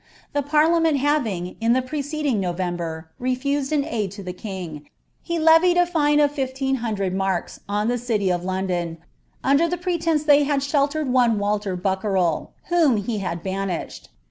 The porliameni having, in llio prKcdiBt November, relused an aid to the king, he levied a fine of fifleen hnndnB marks on the city ot London, under pretence that they had ■bellati one Walter Bukerel, whom he had banished.